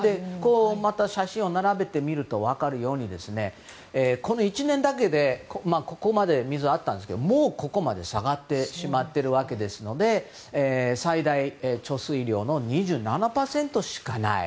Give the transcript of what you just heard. また、写真を並べて見ると分かるようにこの１年だけでもう、ここまで下がってしまっているわけですので最大貯水量の２７％しかない。